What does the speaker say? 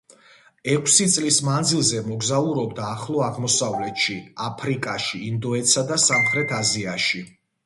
ექვსი წლის მანძილზე მოგზაურობდა ახლო აღმოსავლეთში, აფრიკაში, ინდოეთსა და სამხრეთ აზიაში.